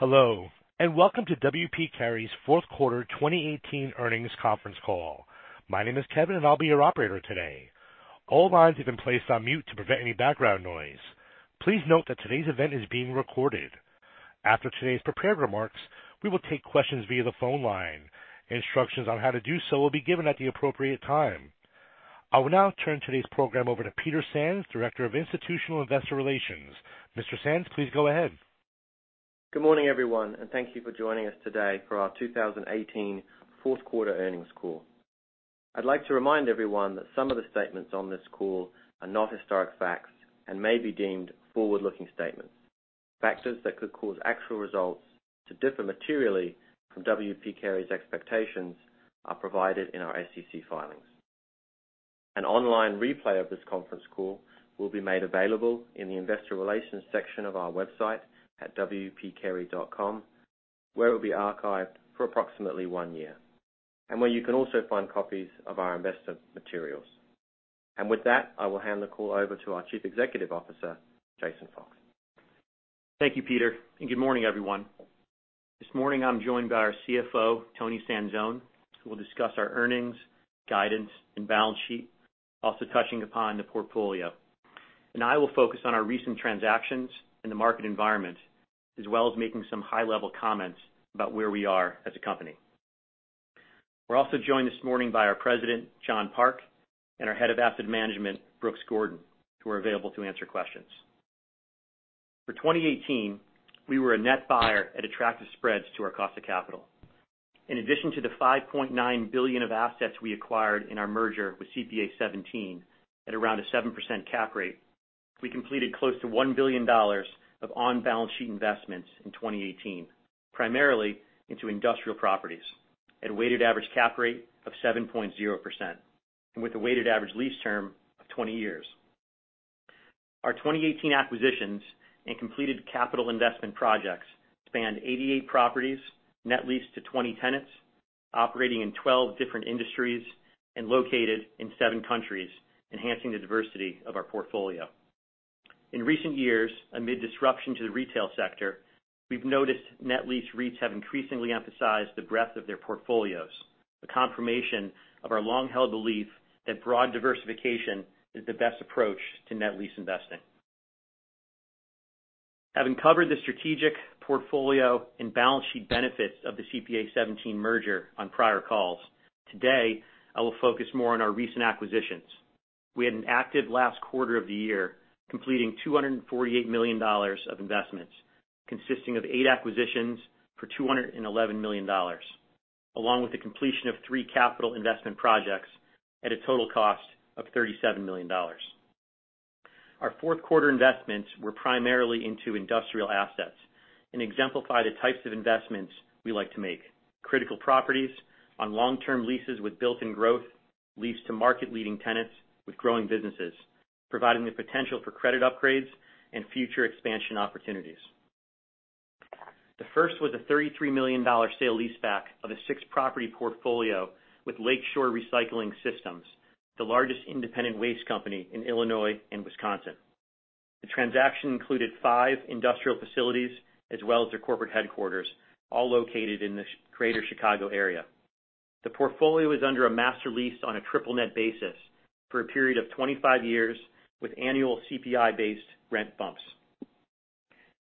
Hello, welcome to W. P. Carey's fourth quarter 2018 earnings conference call. My name is Kevin, and I'll be your operator today. All lines have been placed on mute to prevent any background noise. Please note that today's event is being recorded. After today's prepared remarks, we will take questions via the phone line. Instructions on how to do so will be given at the appropriate time. I will now turn today's program over to Peter Sands, Director of Institutional Investor Relations. Mr. Sands, please go ahead. Good morning, everyone, thank you for joining us today for our 2018 fourth quarter earnings call. I'd like to remind everyone that some of the statements on this call are not historic facts and may be deemed forward-looking statements. Factors that could cause actual results to differ materially from W. P. Carey's expectations are provided in our SEC filings. An online replay of this conference call will be made available in the investor relations section of our website at wpcarey.com, where it'll be archived for approximately one year, and where you can also find copies of our investor materials. With that, I will hand the call over to our Chief Executive Officer, Jason Fox. Thank you, Peter, good morning, everyone. This morning I'm joined by our CFO, Toni Sanzone, who will discuss our earnings, guidance, and balance sheet, also touching upon the portfolio. I will focus on our recent transactions and the market environment, as well as making some high-level comments about where we are as a company. We're also joined this morning by our President, John Park, and our Head of Asset Management, Brooks Gordon, who are available to answer questions. For 2018, we were a net buyer at attractive spreads to our cost of capital. In addition to the $5.9 billion of assets we acquired in our merger with CPA:17 at around a 7% cap rate, we completed close to $1 billion of on-balance-sheet investments in 2018, primarily into industrial properties at a weighted average cap rate of 7.0%, and with a weighted average lease term of 20 years. Our 2018 acquisitions and completed capital investment projects spanned 88 properties, net leased to 20 tenants, operating in 12 different industries and located in seven countries, enhancing the diversity of our portfolio. In recent years, amid disruption to the retail sector, we've noticed net lease REITs have increasingly emphasized the breadth of their portfolios, the confirmation of our long-held belief that broad diversification is the best approach to net lease investing. Having covered the strategic portfolio and balance sheet benefits of the CPA:17 merger on prior calls, today I will focus more on our recent acquisitions. We had an active last quarter of the year, completing $248 million of investments, consisting of eight acquisitions for $211 million, along with the completion of three capital investment projects at a total cost of $37 million. Our fourth quarter investments were primarily into industrial assets and exemplify the types of investments we like to make, critical properties on long-term leases with built-in growth, leased to market-leading tenants with growing businesses, providing the potential for credit upgrades and future expansion opportunities. The first was a $33 million sale-leaseback of a six-property portfolio with Lakeshore Recycling Systems, the largest independent waste company in Illinois and Wisconsin. The transaction included five industrial facilities as well as their corporate headquarters, all located in the greater Chicago area. The portfolio is under a master lease on a triple-net basis for a period of 25 years with annual CPI-based rent bumps.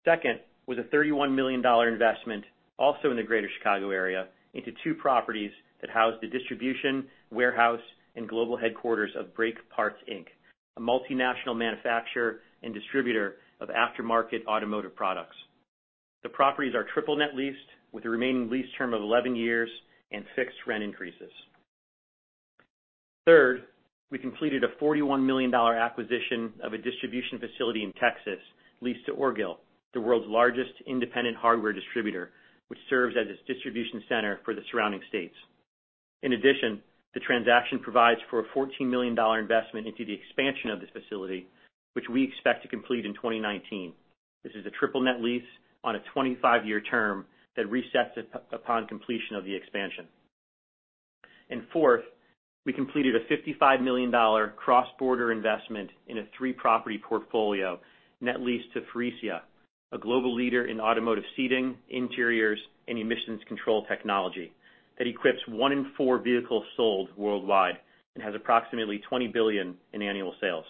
Second was a $31 million investment, also in the greater Chicago area, into two properties that house the distribution, warehouse, and global headquarters of Brake Parts Inc, a multinational manufacturer and distributor of aftermarket automotive products. The properties are triple-net leased with a remaining lease term of 11 years and fixed rent increases. Third, we completed a $41 million acquisition of a distribution facility in Texas leased to Orgill, the world's largest independent hardware distributor, which serves as its distribution center for the surrounding states. In addition, the transaction provides for a $14 million investment into the expansion of this facility, which we expect to complete in 2019. This is a triple-net lease on a 25-year term that resets upon completion of the expansion. Fourth, we completed a $55 million cross-border investment in a three-property portfolio net leased to Faurecia, a global leader in automotive seating, interiors, and emissions control technology that equips one in four vehicles sold worldwide and has approximately $20 billion in annual sales.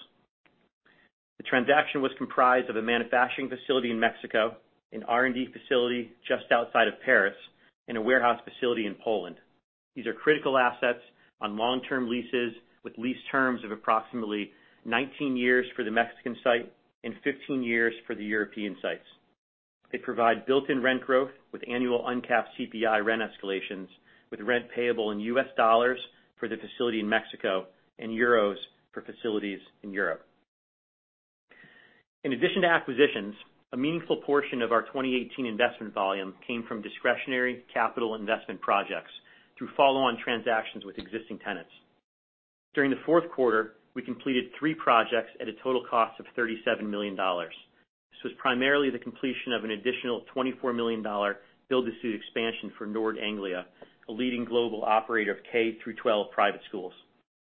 The transaction was comprised of a manufacturing facility in Mexico, an R&D facility just outside of Paris, and a warehouse facility in Poland. These are critical assets on long-term leases with lease terms of approximately 19 years for the Mexican site and 15 years for the European sites. They provide built-in rent growth with annual uncapped CPI rent escalations with rent payable in U.S. dollars for the facility in Mexico and euros for facilities in Europe. In addition to acquisitions, a meaningful portion of our 2018 investment volume came from discretionary capital investment projects through follow-on transactions with existing tenants. During the fourth quarter, we completed three projects at a total cost of $37 million. This was primarily the completion of an additional $24 million build-to-suit expansion for Nord Anglia, a leading global operator of K through 12 private schools.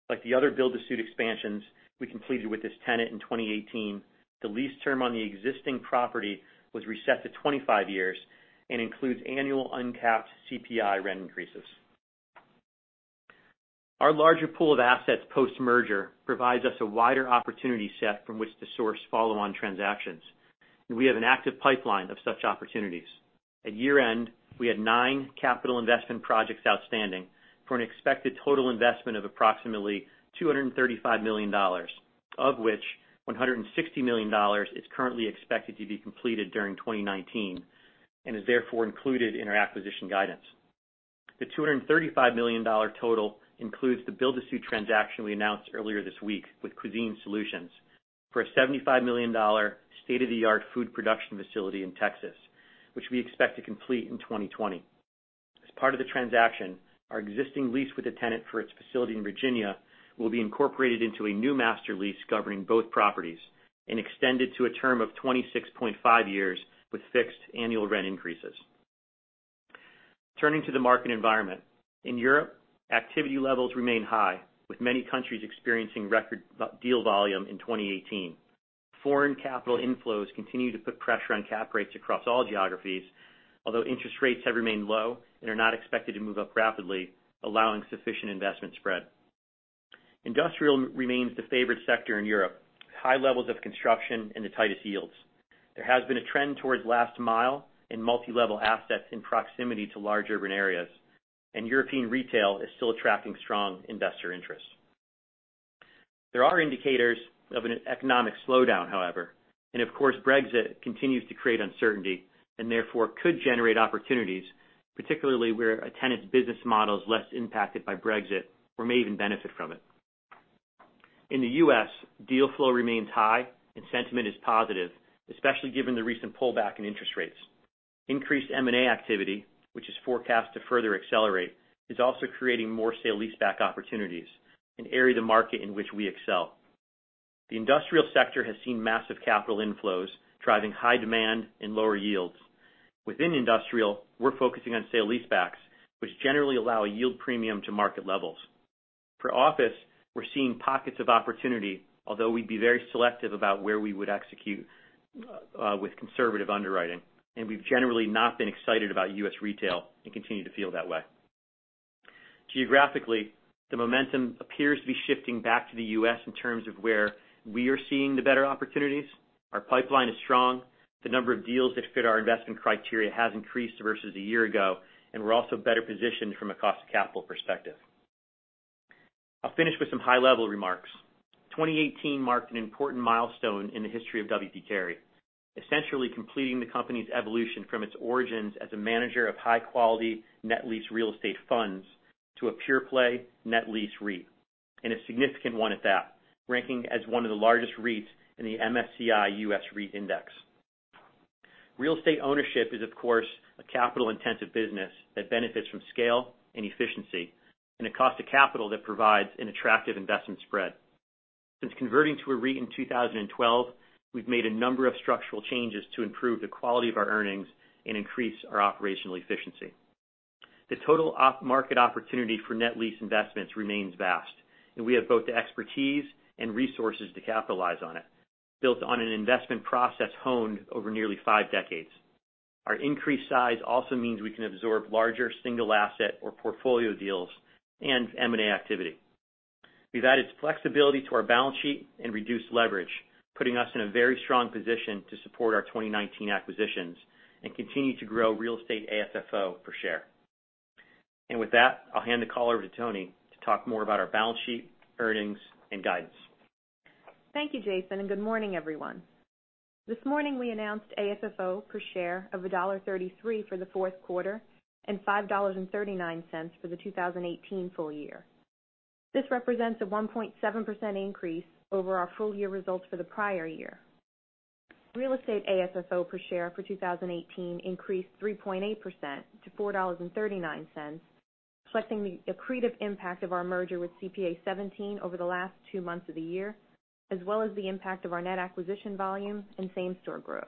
Like the other build-to-suit expansions we completed with this tenant in 2018, the lease term on the existing property was reset to 25 years and includes annual uncapped CPI rent increases. Our larger pool of assets post-merger provides us a wider opportunity set from which to source follow-on transactions. We have an active pipeline of such opportunities. At year-end, we had nine capital investment projects outstanding for an expected total investment of approximately $235 million, of which $160 million is currently expected to be completed during 2019, and is therefore included in our acquisition guidance. The $235 million total includes the build-to-suit transaction we announced earlier this week with Cuisine Solutions for a $75 million state-of-the-art food production facility in Texas, which we expect to complete in 2020. As part of the transaction, our existing lease with the tenant for its facility in Virginia will be incorporated into a new master lease covering both properties and extended to a term of 26.5 years with fixed annual rent increases. Turning to the market environment. In Europe, activity levels remain high, with many countries experiencing record deal volume in 2018. Foreign capital inflows continue to put pressure on cap rates across all geographies, although interest rates have remained low and are not expected to move up rapidly, allowing sufficient investment spread. Industrial remains the favorite sector in Europe, with high levels of construction and the tightest yields. There has been a trend towards last mile and multi-level assets in proximity to large urban areas, and European retail is still attracting strong investor interest. Of course, Brexit continues to create uncertainty and therefore could generate opportunities, particularly where a tenant's business model is less impacted by Brexit or may even benefit from it. In the U.S., deal flow remains high and sentiment is positive, especially given the recent pullback in interest rates. Increased M&A activity, which is forecast to further accelerate, is also creating more sale-leaseback opportunities, an area of the market in which we excel. The industrial sector has seen massive capital inflows, driving high demand and lower yields. Within industrial, we're focusing on sale-leasebacks, which generally allow a yield premium to market levels. For office, we're seeing pockets of opportunity, although we'd be very selective about where we would execute with conservative underwriting, we've generally not been excited about U.S. retail and continue to feel that way. Geographically, the momentum appears to be shifting back to the U.S. in terms of where we are seeing the better opportunities. Our pipeline is strong. The number of deals that fit our investment criteria has increased versus a year ago, we're also better positioned from a cost of capital perspective. I'll finish with some high-level remarks. 2018 marked an important milestone in the history of W. P. Carey, essentially completing the company's evolution from its origins as a manager of high-quality net lease real estate funds to a pure-play net lease REIT, a significant one at that, ranking as one of the largest REITs in the MSCI US REIT Index. Real estate ownership is, of course, a capital-intensive business that benefits from scale and efficiency, a cost of capital that provides an attractive investment spread. Since converting to a REIT in 2012, we've made a number of structural changes to improve the quality of our earnings and increase our operational efficiency. The total off-market opportunity for net lease investments remains vast, we have both the expertise and resources to capitalize on it, built on an investment process honed over nearly five decades. Our increased size also means we can absorb larger single-asset or portfolio deals and M&A activity. We've added flexibility to our balance sheet and reduced leverage, putting us in a very strong position to support our 2019 acquisitions and continue to grow real estate AFFO per share. With that, I'll hand the call over to Toni to talk more about our balance sheet, earnings, and guidance. Thank you, Jason, and good morning, everyone. This morning we announced AFFO per share of $1.33 for the fourth quarter and $5.39 for the 2018 full year. This represents a 1.7% increase over our full year results for the prior year. Real estate AFFO per share for 2018 increased 3.8% to $4.39, reflecting the accretive impact of our merger with CPA:17 over the last two months of the year, as well as the impact of our net acquisition volume and same-store growth.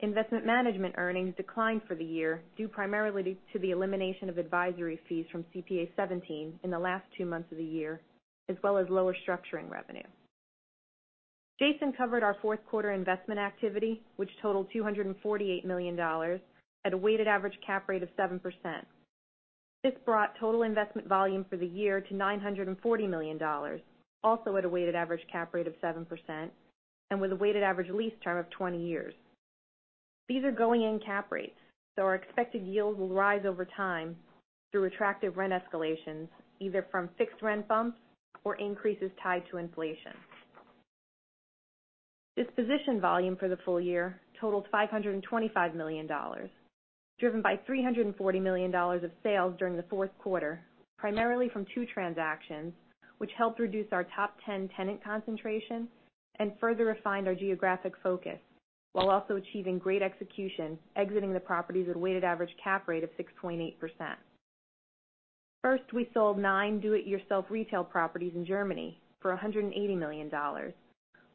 Investment management earnings declined for the year, due primarily to the elimination of advisory fees from CPA:17 in the last two months of the year, as well as lower structuring revenue. Jason covered our fourth quarter investment activity, which totaled $248 million at a weighted average cap rate of 7%. This brought total investment volume for the year to $940 million, also at a weighted average cap rate of 7%, and with a weighted average lease term of 20 years. These are going in cap rates, so our expected yields will rise over time through attractive rent escalations, either from fixed rent bumps or increases tied to inflation. Disposition volume for the full year totaled $525 million, driven by $340 million of sales during the fourth quarter, primarily from two transactions, which helped reduce our top 10 tenant concentration and further refined our geographic focus while also achieving great execution, exiting the properties at a weighted average cap rate of 6.8%. First, we sold nine do-it-yourself retail properties in Germany for $180 million,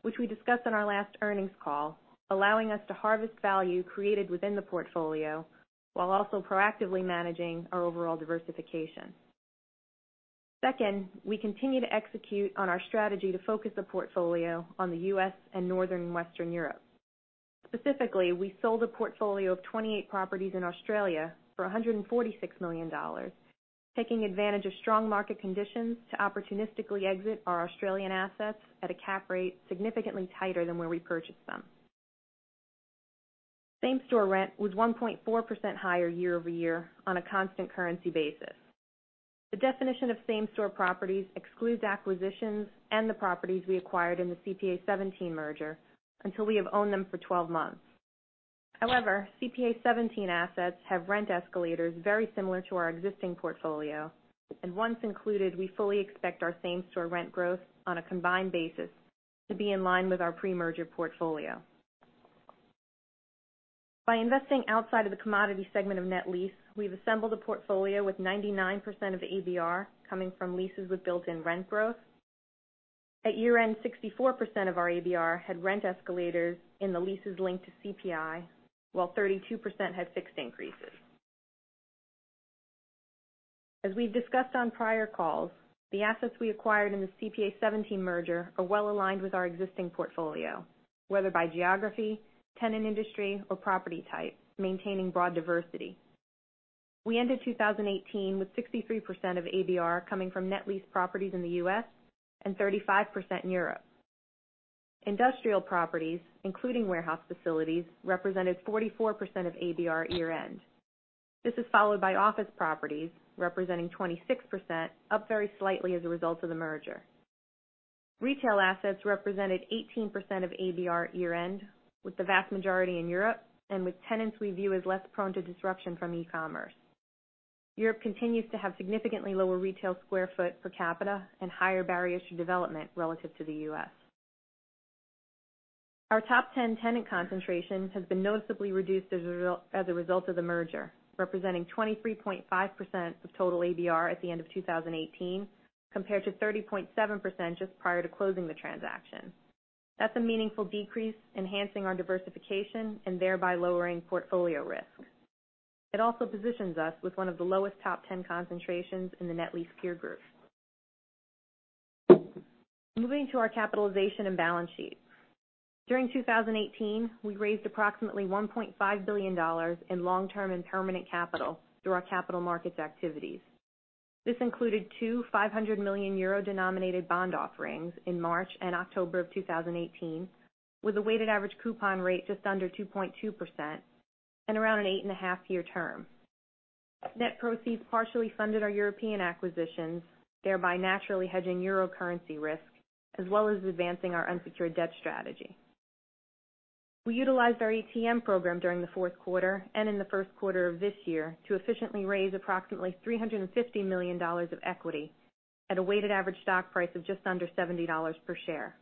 which we discussed on our last earnings call, allowing us to harvest value created within the portfolio, while also proactively managing our overall diversification. Second, we continue to execute on our strategy to focus the portfolio on the U.S. and Northern and Western Europe. Specifically, we sold a portfolio of 28 properties in Australia for $146 million, taking advantage of strong market conditions to opportunistically exit our Australian assets at a cap rate significantly tighter than where we purchased them. Same-store rent was 1.4% higher year-over-year on a constant currency basis. The definition of same-store properties excludes acquisitions and the properties we acquired in the CPA:17 merger, until we have owned them for 12 months. However, CPA:17 assets have rent escalators very similar to our existing portfolio, and once included, we fully expect our same-store rent growth on a combined basis to be in line with our pre-merger portfolio. By investing outside of the commodity segment of net lease, we've assembled a portfolio with 99% of ABR coming from leases with built-in rent growth. At year-end, 64% of our ABR had rent escalators in the leases linked to CPI, while 32% had fixed increases. As we've discussed on prior calls, the assets we acquired in the CPA:17 merger are well-aligned with our existing portfolio, whether by geography, tenant industry, or property type, maintaining broad diversity. We ended 2018 with 63% of ABR coming from net lease properties in the U.S. and 35% in Europe. Industrial properties, including warehouse facilities, represented 44% of ABR at year-end. This is followed by office properties representing 26%, up very slightly as a result of the merger. Retail assets represented 18% of ABR at year-end, with the vast majority in Europe, and with tenants we view as less prone to disruption from e-commerce. Europe continues to have significantly lower retail square foot per capita and higher barriers to development relative to the U.S. Our top 10 tenant concentration has been noticeably reduced as a result of the merger, representing 23.5% of total ABR at the end of 2018, compared to 30.7% just prior to closing the transaction. That's a meaningful decrease, enhancing our diversification and thereby lowering portfolio risk. It also positions us with one of the lowest top 10 concentrations in the net lease peer group. Moving to our capitalization and balance sheet. During 2018, we raised approximately $1.5 billion in long-term and permanent capital through our capital markets activities. This included two 500 million euro-denominated bond offerings in March and October of 2018, with a weighted average coupon rate just under 2.2% and around an eight-and-a-half-year term. Net proceeds partially funded our European acquisitions, thereby naturally hedging euro currency risk, as well as advancing our unsecured debt strategy. We utilized our ATM program during the fourth quarter and in the first quarter of this year to efficiently raise approximately $350 million of equity at a weighted average stock price of just under $70 per share.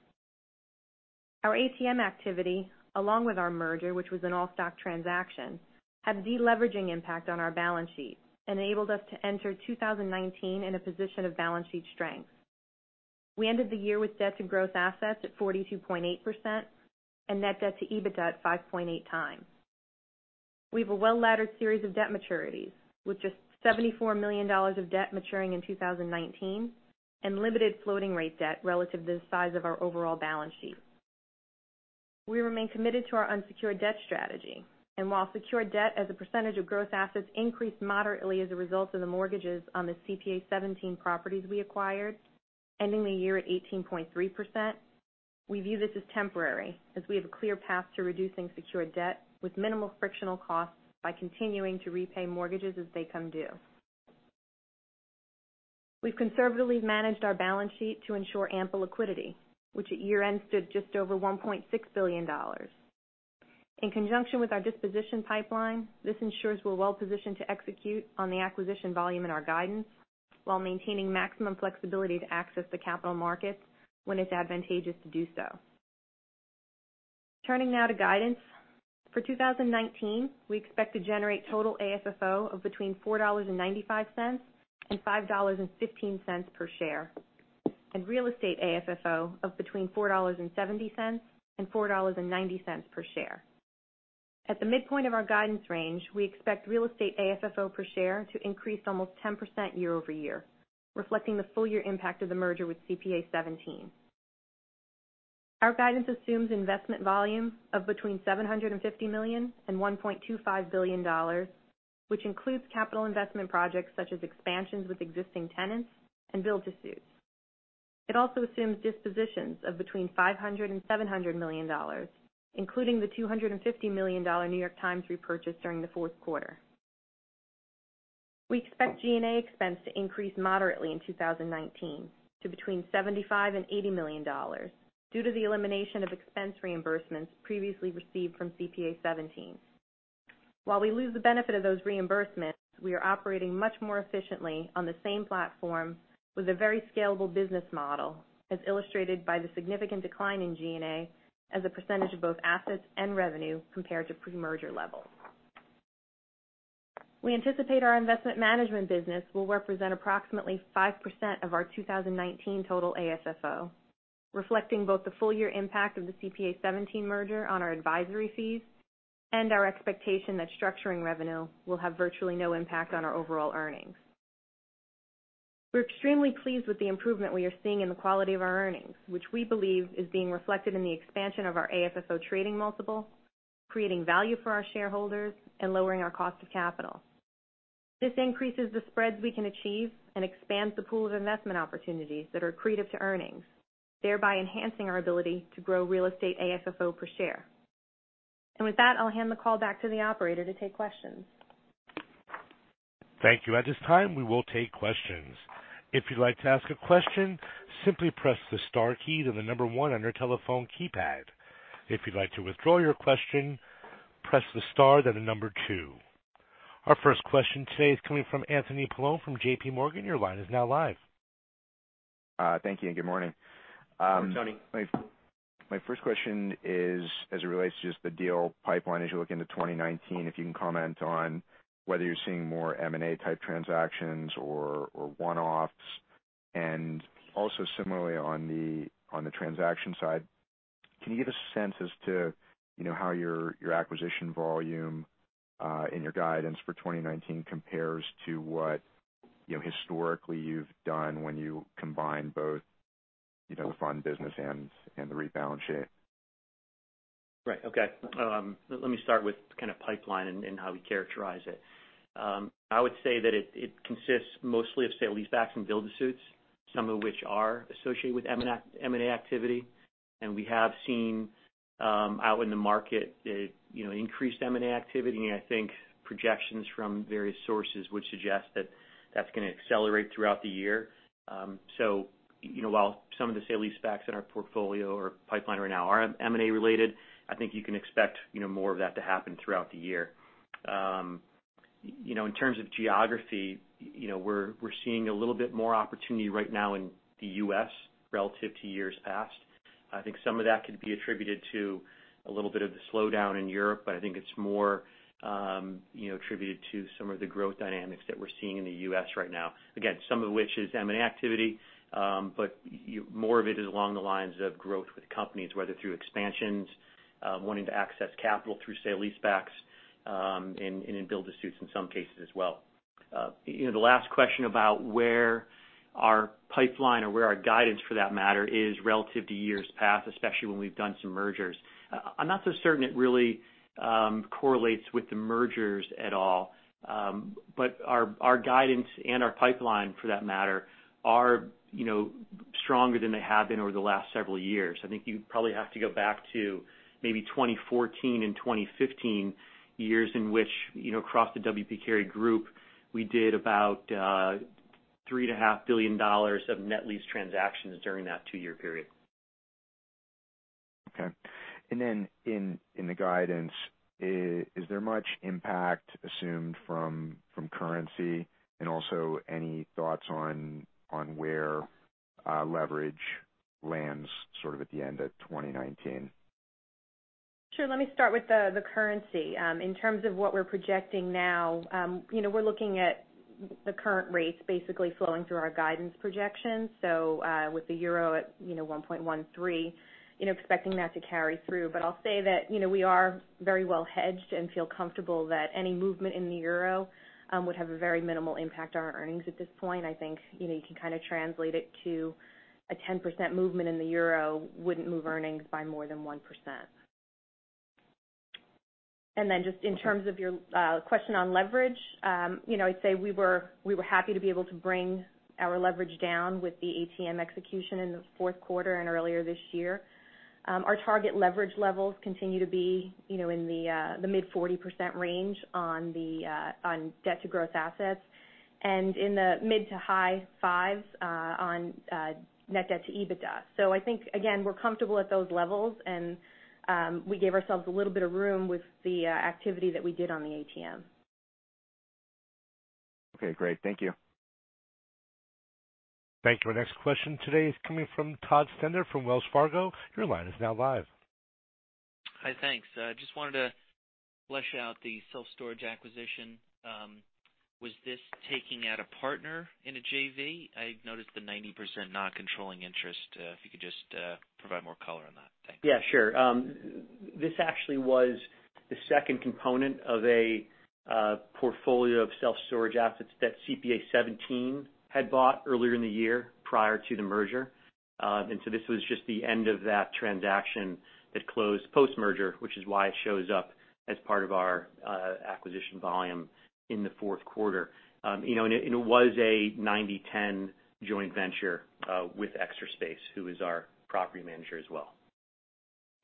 Our ATM activity, along with our merger, which was an all-stock transaction, had a de-leveraging impact on our balance sheet and enabled us to enter 2019 in a position of balance sheet strength. We ended the year with debt-to-gross assets at 42.8% and net debt-to-EBITDA at 5.8x. We have a well-laddered series of debt maturities with just $74 million of debt maturing in 2019 and limited floating rate debt relative to the size of our overall balance sheet. We remain committed to our unsecured debt strategy. While secured debt as a percentage of gross assets increased moderately as a result of the mortgages on the CPA:17 properties we acquired, ending the year at 18.3%, we view this as temporary, as we have a clear path to reducing secured debt with minimal frictional costs by continuing to repay mortgages as they come due. We've conservatively managed our balance sheet to ensure ample liquidity, which at year-end stood just over $1.6 billion. In conjunction with our disposition pipeline, this ensures we're well positioned to execute on the acquisition volume in our guidance, while maintaining maximum flexibility to access the capital markets when it's advantageous to do so. Turning now to guidance. For 2019, we expect to generate total AFFO of between $4.95 and $5.15 per share, and real estate AFFO of between $4.70 and $4.90 per share. At the midpoint of our guidance range, we expect real estate AFFO per share to increase almost 10% year-over-year, reflecting the full year impact of the merger with CPA:17. Our guidance assumes investment volume of between $750 million and $1.25 billion, which includes capital investment projects such as expansions with existing tenants and build-to-suit. It also assumes dispositions of between $500 million and $700 million, including the $250 million New York Times repurchase during the fourth quarter. We expect G&A expense to increase moderately in 2019 to between $75 million and $80 million due to the elimination of expense reimbursements previously received from CPA:17. While we lose the benefit of those reimbursements, we are operating much more efficiently on the same platform with a very scalable business model, as illustrated by the significant decline in G&A as a percentage of both assets and revenue compared to pre-merger levels. We anticipate our investment management business will represent approximately 5% of our 2019 total AFFO, reflecting both the full year impact of the CPA:17 merger on our advisory fees and our expectation that structuring revenue will have virtually no impact on our overall earnings. We're extremely pleased with the improvement we are seeing in the quality of our earnings, which we believe is being reflected in the expansion of our AFFO trading multiple, creating value for our shareholders and lowering our cost of capital. This increases the spreads we can achieve and expands the pool of investment opportunities that are accretive to earnings, thereby enhancing our ability to grow real estate AFFO per share. With that, I'll hand the call back to the operator to take questions. Thank you. At this time, we will take questions. If you'd like to ask a question, simply press the star key, then the number one on your telephone keypad. If you'd like to withdraw your question, press the star, then the number two. Our first question today is coming from Anthony Paolone from JPMorgan. Your line is now live. Thank you. Good morning. Tony. My first question is as it relates to just the deal pipeline as you look into 2019, if you can comment on whether you're seeing more M&A type transactions or one-offs. Also similarly on the transaction side, can you give a sense as to how your acquisition volume, in your guidance for 2019 compares to what historically you've done when you combine both the fund business and the REIT balance sheet? Right. Okay. Let me start with kind of pipeline and how we characterize it. I would say that it consists mostly of sale-leasebacks and build-to-suits, some of which are associated with M&A activity. We have seen out in the market increased M&A activity, and I think projections from various sources would suggest that that's going to accelerate throughout the year. While some of the sale-leasebacks in our portfolio or pipeline right now are M&A-related, I think you can expect more of that to happen throughout the year. In terms of geography, we're seeing a little bit more opportunity right now in the U.S. relative to years past. I think some of that could be attributed to a little bit of the slowdown in Europe, but I think it's more attributed to some of the growth dynamics that we're seeing in the U.S. right now. Again, some of which is M&A activity, more of it is along the lines of growth with companies, whether through expansions, wanting to access capital through sale-leasebacks, and in build-to-suits in some cases as well. The last question about where our pipeline or where our guidance for that matter is relative to years past, especially when we've done some mergers. I'm not so certain it really correlates with the mergers at all. Our guidance and our pipeline for that matter, are stronger than they have been over the last several years. I think you probably have to go back to maybe 2014 and 2015, years in which across the W. P. Carey Group, we did about $3.5 billion of net lease transactions during that two-year period. Okay. Then in the guidance, is there much impact assumed from currency? Also any thoughts on where leverage lands sort of at the end of 2019? Sure. Let me start with the currency. In terms of what we're projecting now, we're looking at the current rates basically flowing through our guidance projections. With the euro at 1.13, expecting that to carry through, but I'll say that we are very well hedged and feel comfortable that any movement in the EUR would have a very minimal impact on our earnings at this point. I think you can kind of translate it to a 10% movement in the euro wouldn't move earnings by more than 1%. Then just in terms of your question on leverage, I'd say we were happy to be able to bring our leverage down with the ATM execution in the fourth quarter and earlier this year. Our target leverage levels continue to be in the mid 40% range on debt-to-gross assets, and in the mid to high 5.0s on net debt-to-EBITDA. I think, again, we're comfortable at those levels, and we gave ourselves a little bit of room with the activity that we did on the ATM. Okay, great. Thank you. Thank you. Our next question today is coming from Todd Stender from Wells Fargo. Your line is now live. Hi, thanks. I just wanted to flesh out the self-storage acquisition. Was this taking out a partner in a JV? I noticed the 90% not controlling interest. If you could just provide more color on that. Thanks. Yeah, sure. This actually was the second component of a portfolio of self-storage assets that CPA:17 had bought earlier in the year prior to the merger. This was just the end of that transaction that closed post-merger, which is why it shows up as part of our acquisition volume in the fourth quarter. It was a 90/10 joint venture with Extra Space, who is our property manager as well.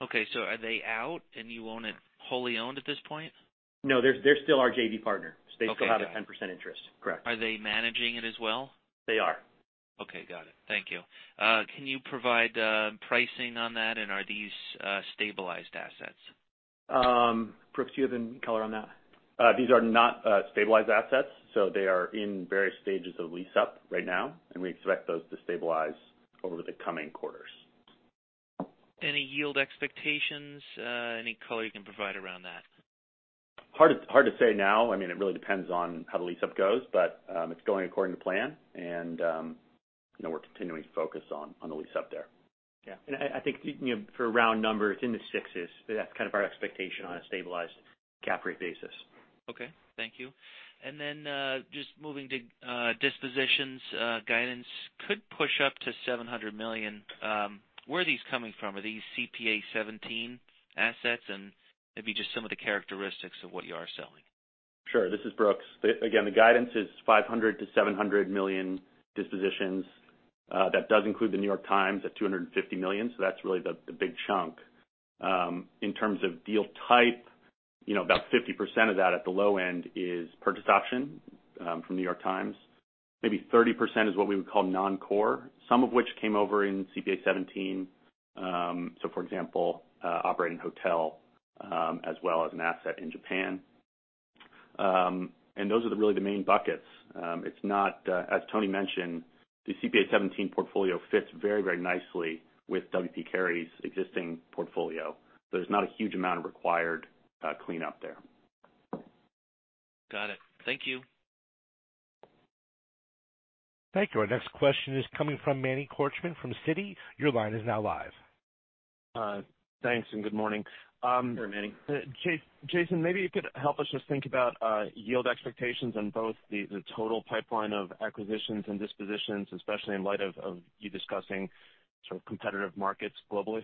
Okay. Are they out and you own it wholly owned at this point? They're still our JV partner. Got it. They still have a 10% interest. Correct. Are they managing it as well? They are. Okay, got it. Thank you. Can you provide pricing on that? Are these stabilized assets? Brooks, do you have any color on that? These are not stabilized assets. They are in various stages of lease-up right now. We expect those to stabilize over the coming quarters. Any yield expectations, any color you can provide around that? Hard to say now. It really depends on how the lease-up goes, but it's going according to plan, and we're continuing to focus on the lease-up there. Yeah. I think for a round number, it's in the 6s%. That's kind of our expectation on a stabilized cap rate basis. Okay. Thank you. Just moving to dispositions, guidance could push up to $700 million. Where are these coming from? Are these CPA:17 assets? Maybe just some of the characteristics of what you are selling. Sure. This is Brooks. Again, the guidance is $500 million-$700 million dispositions. That does include The New York Times at $250 million, so that's really the big chunk. In terms of deal type, about 50% of that at the low end is purchase option from The New York Times. Maybe 30% is what we would call non-core, some of which came over in CPA:17. For example, operating hotel as well as an asset in Japan. Those are really the main buckets. As Toni mentioned, the CPA:17 portfolio fits very nicely with W. P. Carey's existing portfolio, so there's not a huge amount of required cleanup there. Got it. Thank you. Thank you. Our next question is coming from Manny Korchman from Citi. Your line is now live. Thanks. Good morning. Hey, Manny. Jason, maybe you could help us just think about yield expectations on both the total pipeline of acquisitions and dispositions, especially in light of you discussing sort of competitive markets globally.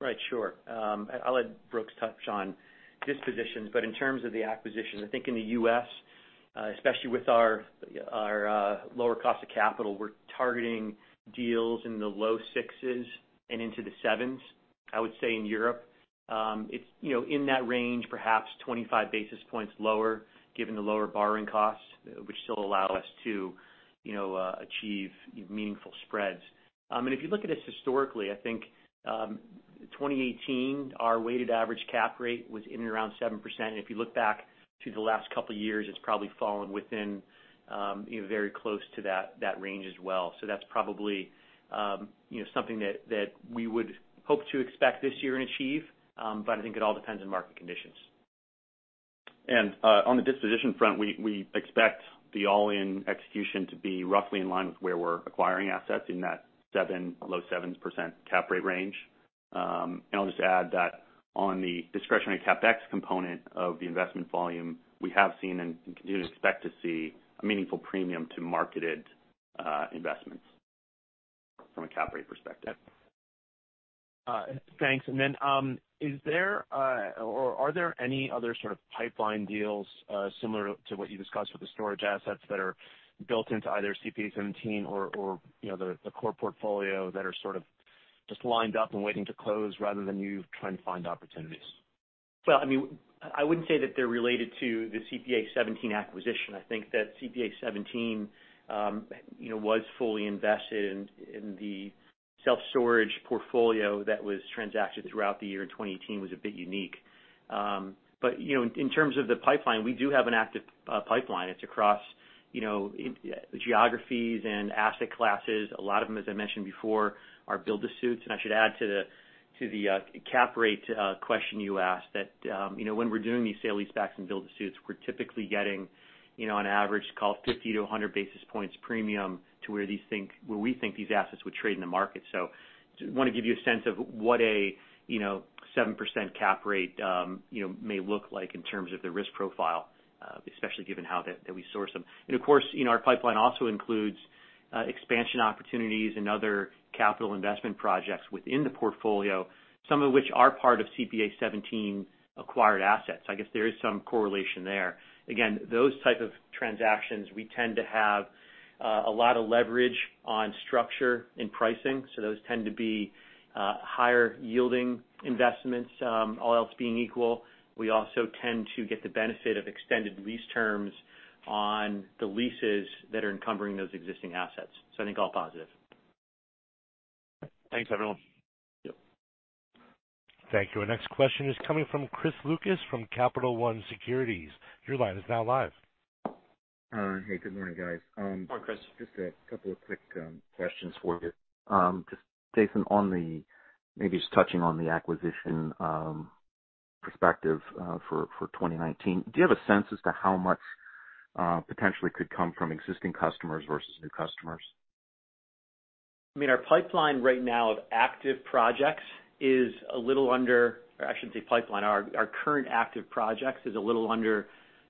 Right. Sure. I'll let Brooks touch on dispositions, but in terms of the acquisition, I think in the U.S., especially with our lower cost of capital, we're targeting deals in the low sixes and into the sevens. I would say in Europe, it's in that range, perhaps 25 basis points lower, given the lower borrowing costs, which still allow us to achieve meaningful spreads. If you look at us historically, I think 2018, our weighted average cap rate was in and around 7%. If you look back to the last couple of years, it's probably fallen within very close to that range as well. That's probably something that we would hope to expect this year and achieve. I think it all depends on market conditions. On the disposition front, we expect the all-in execution to be roughly in line with where we're acquiring assets in that low 7% cap rate range. I'll just add that on the discretionary CapEx component of the investment volume, we have seen and continue to expect to see a meaningful premium to marketed investments from a cap rate perspective. Thanks. Are there any other sort of pipeline deals similar to what you discussed with the storage assets that are built into either CPA:17 or the core portfolio that are sort of just lined up and waiting to close rather than you trying to find opportunities? Well, I wouldn't say that they're related to the CPA:17 acquisition. I think that CPA:17 was fully invested in the self-storage portfolio that was transacted throughout the year, and 2018 was a bit unique. In terms of the pipeline, we do have an active pipeline. It's across geographies and asset classes. A lot of them, as I mentioned before, are build-to-suits. I should add to the cap rate question you asked that when we're doing these sale-leasebacks and build-to-suits, we're typically getting an average, call it 50 basis points-100 basis points premium to where we think these assets would trade in the market. Want to give you a sense of what a 7% cap rate may look like in terms of the risk profile, especially given how that we source them. Of course, our pipeline also includes expansion opportunities and other capital investment projects within the portfolio, some of which are part of CPA:17 acquired assets. I guess there is some correlation there. Again, those type of transactions, we tend to have a lot of leverage on structure in pricing, those tend to be higher-yielding investments all else being equal. We also tend to get the benefit of extended lease terms on the leases that are encumbering those existing assets. I think all positive. Thanks, everyone. Yep. Thank you. Our next question is coming from Chris Lucas from Capital One Securities. Your line is now live. Hey, good morning, guys. Morning, Chris. Just a couple of quick questions for you. Just Jason, maybe just touching on the acquisition perspective for 2019, do you have a sense as to how much potentially could come from existing customers versus new customers? Our current active projects is a little under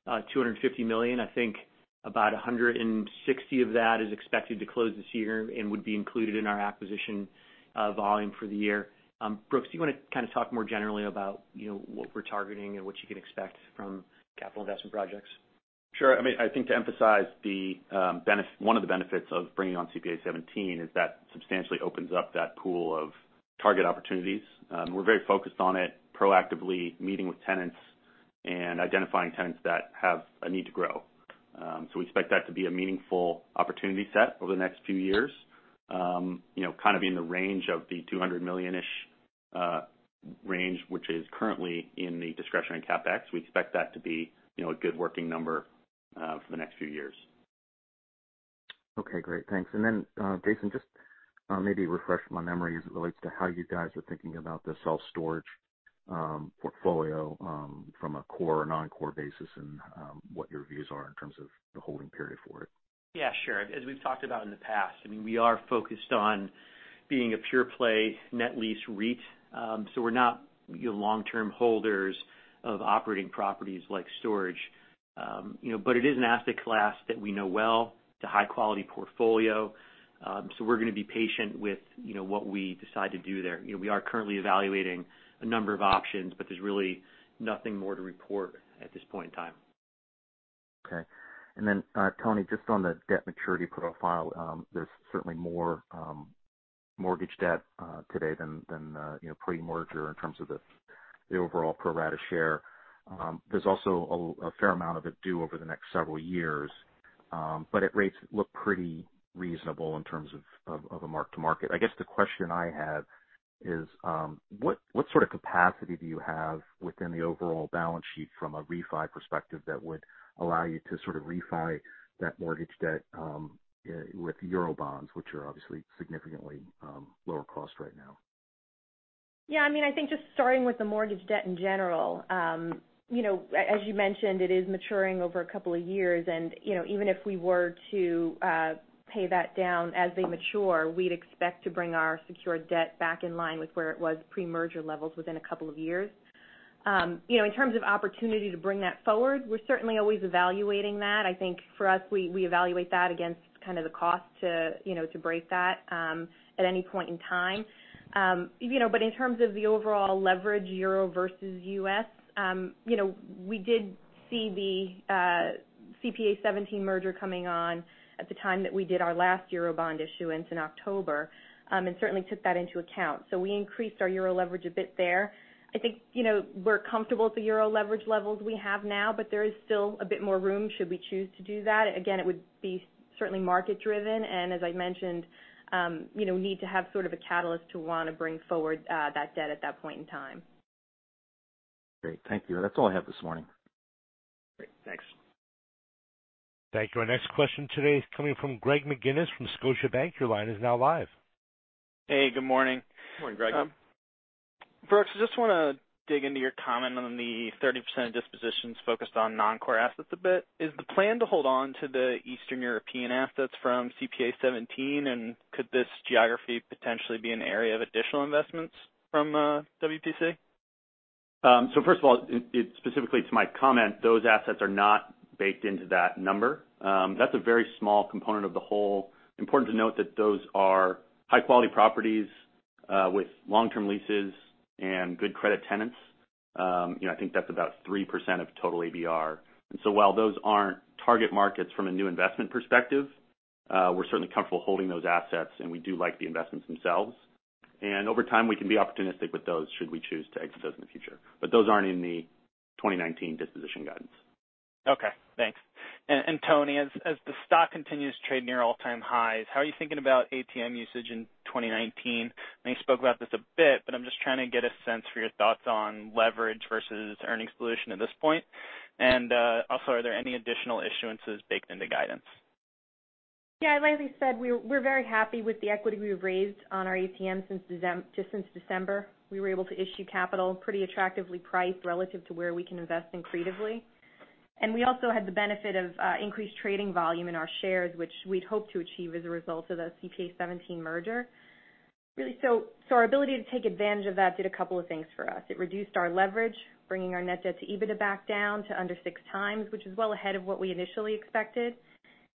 $250 million. I think about $160 million of that is expected to close this year and would be included in our acquisition volume for the year. Brooks, do you want to kind of talk more generally about what we're targeting and what you can expect from capital investment projects? Sure. I think to emphasize one of the benefits of bringing on CPA:17 is that substantially opens up that pool of target opportunities. We're very focused on it, proactively meeting with tenants and identifying tenants that have a need to grow. We expect that to be a meaningful opportunity set over the next few years kind of in the range of the $200 million-ish range, which is currently in the discretionary CapEx. We expect that to be a good working number for the next few years. Okay, great. Thanks. Jason, just maybe refresh my memory as it relates to how you guys are thinking about the self-storage portfolio from a core or non-core basis, and what your views are in terms of the holding period for it. Yeah, sure. As we've talked about in the past, we are focused on being a pure-play net lease REIT. We're not long-term holders of operating properties like storage. It is an asset class that we know well. It's a high-quality portfolio. We're going to be patient with what we decide to do there. We are currently evaluating a number of options, but there's really nothing more to report at this point in time. Toni, just on the debt maturity profile. There's certainly more mortgage debt today than pre-merger in terms of the overall pro rata share. There's also a fair amount of it due over the next several years. At rates look pretty reasonable in terms of a mark-to-market. I guess the question I have is, what sort of capacity do you have within the overall balance sheet from a refi perspective that would allow you to sort of refi that mortgage debt with euro bonds, which are obviously significantly lower cost right now? Yeah. I think just starting with the mortgage debt in general. As you mentioned, it is maturing over a couple of years and even if we were to pay that down as they mature, we'd expect to bring our secured debt back in line with where it was pre-merger levels within a couple of years. In terms of opportunity to bring that forward, we're certainly always evaluating that. I think for us, we evaluate that against kind of the cost to break that at any point in time. In terms of the overall leverage euro versus U.S., we did see the CPA:17 merger coming on at the time that we did our last euro bond issuance in October. Certainly took that into account. We increased our euro leverage a bit there. I think we're comfortable with the euro leverage levels we have now. There is still a bit more room should we choose to do that. Again, it would be certainly market-driven. As I mentioned, we need to have sort of a catalyst to want to bring forward that debt at that point in time. Great. Thank you. That's all I have this morning. Great. Thanks. Thank you. Our next question today is coming from Greg McGinniss from Scotiabank. Your line is now live. Hey, good morning. Good morning, Greg. Brooks, I just want to dig into your comment on the 30% dispositions focused on non-core assets a bit. Is the plan to hold on to the Eastern European assets from CPA:17? Could this geography potentially be an area of additional investments from WPC? First of all, specifically to my comment, those assets are not baked into that number. That's a very small component of the whole. Important to note that those are high-quality properties with long-term leases and good credit tenants. I think that's about 3% of total ABR. While those aren't target markets from a new investment perspective, we're certainly comfortable holding those assets, and we do like the investments themselves. Over time, we can be opportunistic with those should we choose to exit those in the future. Those aren't in the 2019 disposition guidance. Okay, thanks. Toni, as the stock continues to trade near all-time highs, how are you thinking about ATM usage in 2019? I know you spoke about this a bit, but I'm just trying to get a sense for your thoughts on leverage versus earnings dilution at this point. Also, are there any additional issuances baked into guidance? Yeah, as I said, we're very happy with the equity we've raised on our ATM just since December. We were able to issue capital pretty attractively priced relative to where we can invest creatively. We also had the benefit of increased trading volume in our shares, which we'd hope to achieve as a result of the CPA:17 merger. Our ability to take advantage of that did a couple of things for us. It reduced our leverage, bringing our net debt-to-EBITDA back down to under 6x, which is well ahead of what we initially expected.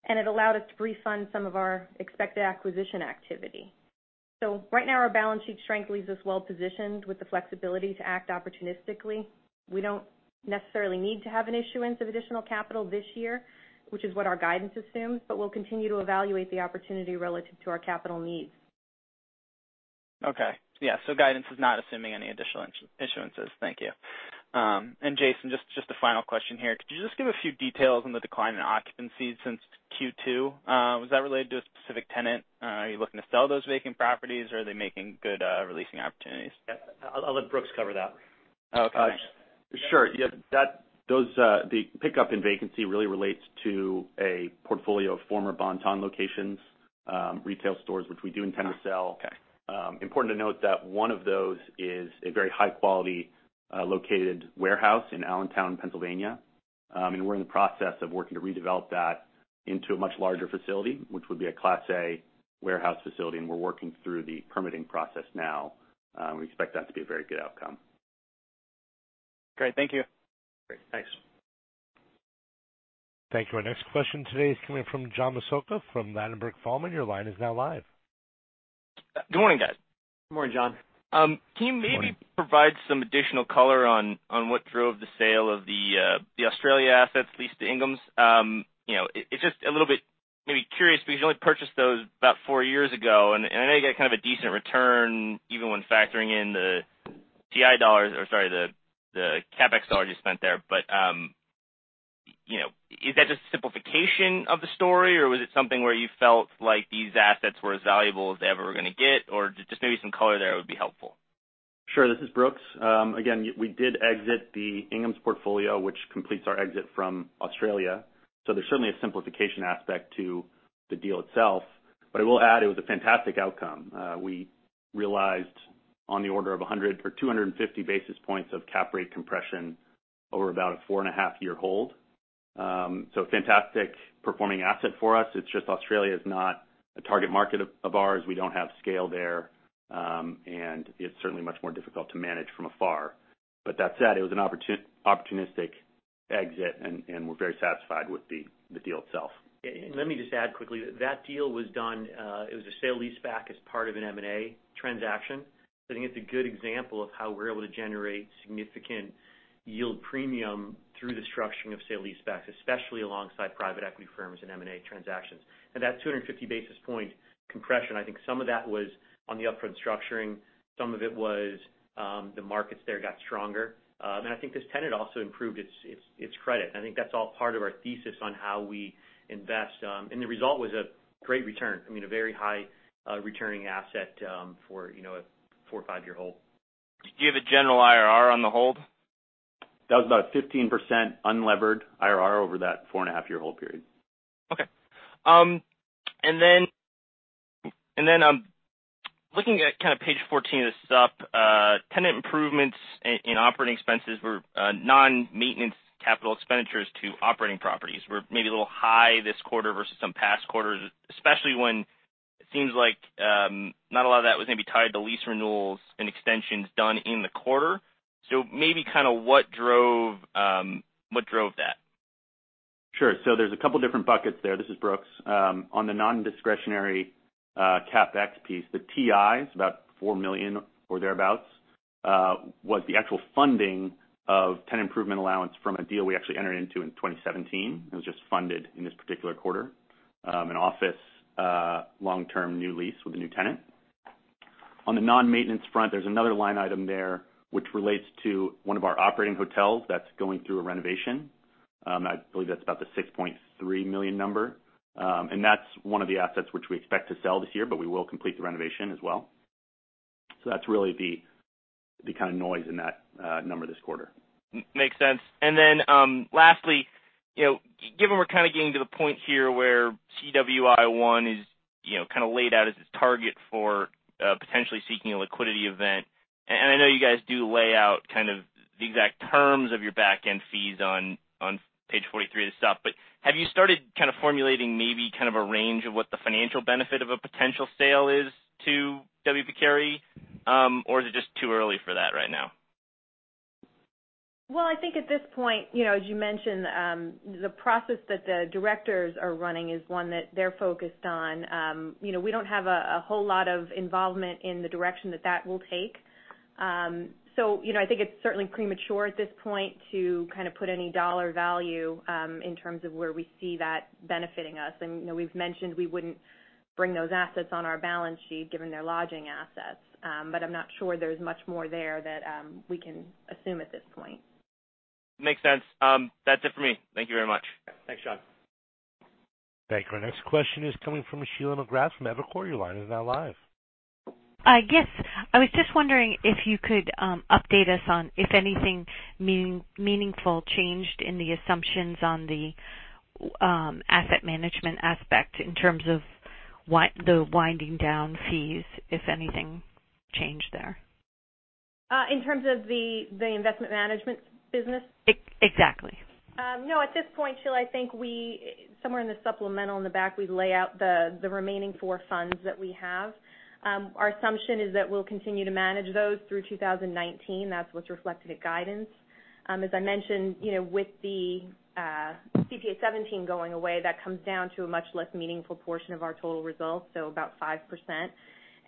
It allowed us to refund some of our expected acquisition activity. Right now, our balance sheet strength leaves us well positioned with the flexibility to act opportunistically. We don't necessarily need to have an issuance of additional capital this year, which is what our guidance assumes, but we'll continue to evaluate the opportunity relative to our capital needs. Okay. Yeah, guidance is not assuming any additional issuances. Thank you. Jason, just a final question here. Could you just give a few details on the decline in occupancy since Q2? Was that related to a specific tenant? Are you looking to sell those vacant properties, or are they making good re-leasing opportunities? Yeah. I'll let Brooks cover that. Okay. Sure. The pickup in vacancy really relates to a portfolio of former Bon-Ton locations, retail stores, which we do intend to sell. Okay. Important to note that one of those is a very high quality located warehouse in Allentown, Pennsylvania. We're in the process of working to redevelop that into a much larger facility, which would be a Class A warehouse facility, and we're working through the permitting process now. We expect that to be a very good outcome. Great. Thank you. Great. Thanks. Thank you. Our next question today is coming from John Massocca from Ladenburg Thalmann. Your line is now live. Good morning, guys. Good morning, John. Can you maybe provide some additional color on what drove the sale of the Australia assets leased to Inghams? It's just a little bit maybe curious because you only purchased those about four years ago, and I know you got kind of a decent return even when factoring in the TI dollars, or sorry, the CapEx dollars you spent there. Is that just a simplification of the story, or was it something where you felt like these assets were as valuable as they ever were going to get? Just maybe some color there would be helpful. Sure. This is Brooks. Again, we did exit the Inghams portfolio, which completes our exit from Australia. There's certainly a simplification aspect to the deal itself. I will add it was a fantastic outcome. We realized on the order of 100 basis points or 250 basis points of cap rate compression over about a four-and-a-half-year hold. Fantastic performing asset for us. It's just Australia's not a target market of ours. We don't have scale there, and it's certainly much more difficult to manage from afar. That said, it was an opportunistic exit, and we're very satisfied with the deal itself. Let me just add quickly, that deal was done, it was a sale-leaseback as part of an M&A transaction. I think it's a good example of how we're able to generate significant yield premium through the structuring of sale-leasebacks, especially alongside private equity firms and M&A transactions. That 250 basis point compression, I think some of that was on the upfront structuring. Some of it was the markets there got stronger. I think this tenant also improved its credit, and I think that's all part of our thesis on how we invest. The result was a great return, I mean, a very high returning asset, for a four- or five-year hold. Do you have a general IRR on the hold? That was about 15% unlevered IRR over that four-and-a-half-year hold period. Okay. Then, looking at page 14 of the sup, tenant improvements in operating expenses were non-maintenance capital expenditures to operating properties were maybe a little high this quarter versus some past quarters, especially when it seems like not a lot of that was maybe tied to lease renewals and extensions done in the quarter. Maybe kind of what drove that? Sure. There's a couple different buckets there. This is Brooks. On the non-discretionary CapEx piece, the TIs, about $4 million or thereabouts, was the actual funding of tenant improvement allowance from a deal we actually entered into in 2017 and was just funded in this particular quarter, an office, long-term new lease with a new tenant. On the non-maintenance front, there's another line item there which relates to one of our operating hotels that's going through a renovation. I believe that's about the $6.3 million number. That's one of the assets which we expect to sell this year, but we will complete the renovation as well. That's really the kind of noise in that number this quarter. Makes sense. Lastly, given we're kind of getting to the point here where CWI 1 is kind of laid out as its target for potentially seeking a liquidity event. I know you guys do lay out kind of the exact terms of your back-end fees on page 43 of the sup, but have you started kind of formulating maybe kind of a range of what the financial benefit of a potential sale is to W. P. Carey? Or is it just too early for that right now? I think at this point, as you mentioned, the process that the directors are running is one that they're focused on. We don't have a whole lot of involvement in the direction that that will take. I think it's certainly premature at this point to kind of put any dollar value, in terms of where we see that benefiting us. We've mentioned we wouldn't bring those assets on our balance sheet, given their lodging assets. I'm not sure there's much more there that we can assume at this point. Makes sense. That's it for me. Thank you very much. Thanks, John. Thank you. Our next question is coming from Sheila McGrath from Evercore. Your line is now live. Yes. I was just wondering if you could update us on if anything meaningful changed in the assumptions on the asset management aspect in terms of the winding down fees, if anything changed there. In terms of the investment management business? Exactly. No, at this point, Sheila, I think somewhere in the supplemental in the back, we lay out the remaining four funds that we have. Our assumption is that we'll continue to manage those through 2019. That's what's reflected at guidance. As I mentioned, with the CPA:17 going away, that comes down to a much less meaningful portion of our total results, so about 5%.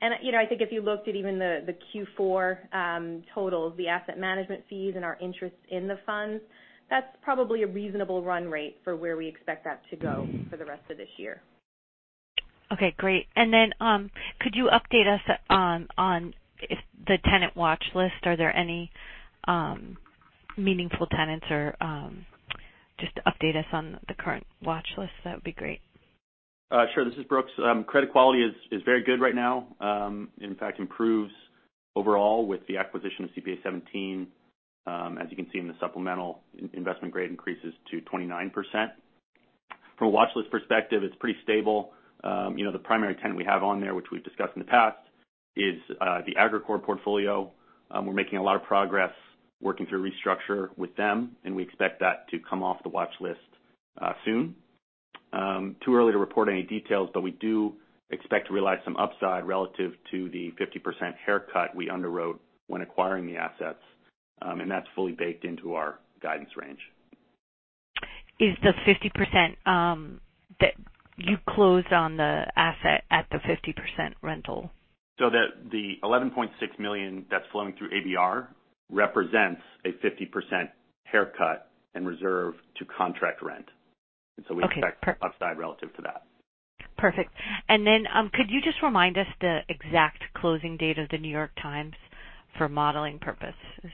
I think if you looked at even the Q4 totals, the asset management fees and our interest in the funds, that's probably a reasonable run rate for where we expect that to go for the rest of this year. Okay, great. Could you update us on the tenant watch list? Are there any meaningful tenants or just update us on the current watch list? That would be great. Sure. This is Brooks Gordon. Credit quality is very good right now. In fact, improves overall with the acquisition of CPA:17. As you can see in the supplemental investment grade increases to 29%. From a watch list perspective, it's pretty stable. The primary tenant we have on there, which we've discussed in the past, is the Agrokor portfolio. We're making a lot of progress working through restructure with them, we expect that to come off the watch list soon. Too early to report any details, but we do expect to realize some upside relative to the 50% haircut we underwrote when acquiring the assets. That's fully baked into our guidance range. Is the 50% that you closed on the asset at the 50% rental? The $11.6 million that's flowing through ABR represents a 50% haircut and reserve to contract rent. Okay. We expect upside relative to that. Perfect. Could you just remind us the exact closing date of The New York Times for modeling purposes?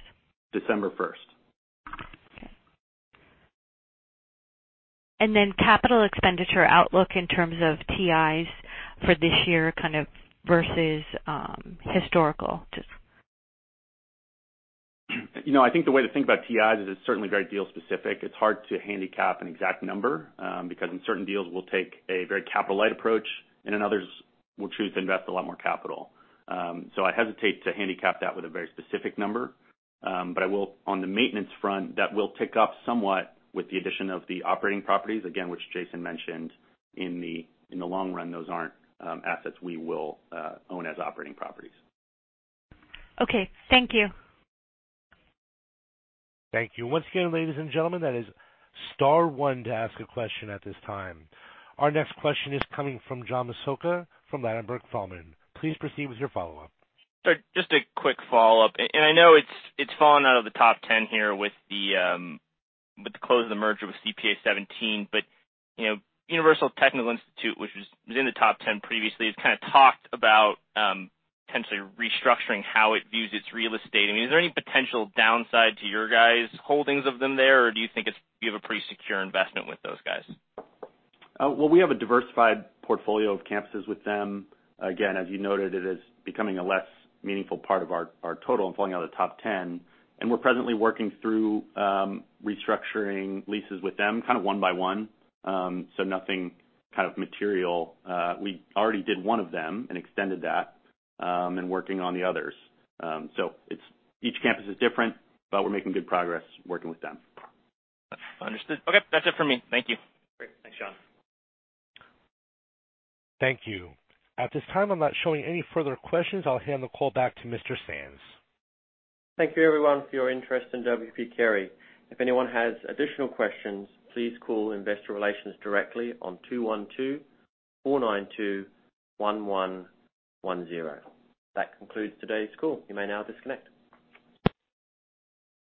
December 1st. Capital expenditure outlook in terms of TIs for this year kind of versus historical. I think the way to think about TIs is it's certainly very deal specific. It's hard to handicap an exact number, because in certain deals we'll take a very capital-light approach, and in others we'll choose to invest a lot more capital. I hesitate to handicap that with a very specific number. I will, on the maintenance front, that will tick up somewhat with the addition of the operating properties, again, which Jason mentioned. In the long run, those aren't assets we will own as operating properties. Okay, thank you. Thank you. Once again, ladies and gentlemen, that is star one to ask a question at this time. Our next question is coming from John Massocca from Ladenburg Thalmann. Please proceed with your follow-up. Sir, just a quick follow-up. I know it's fallen out of the top 10 here with the close of the merger with CPA:17. Universal Technical Institute, which was in the top 10 previously, has kind of talked about potentially restructuring how it views its real estate. I mean, is there any potential downside to your guys' holdings of them there, or do you think you have a pretty secure investment with those guys? Well, we have a diversified portfolio of campuses with them. Again, as you noted, it is becoming a less meaningful part of our total and falling out of the top 10, and we're presently working through restructuring leases with them, kind of one by one. Nothing kind of material. We already did one of them and extended that, and working on the others. Each campus is different, but we're making good progress working with them. Understood. Okay, that's it for me. Thank you. Great. Thanks, John. Thank you. At this time, I'm not showing any further questions. I'll hand the call back to Mr. Sands. Thank you everyone for your interest in W. P. Carey. If anyone has additional questions, please call investor relations directly on (212) 492-1110. That concludes today's call. You may now disconnect.